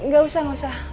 gak usah gak usah